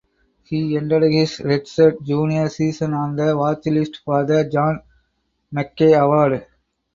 He entered his redshirt junior season on the watchlist for the John Mackey Award.